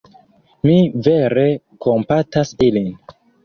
Mi vere kompatas ilin.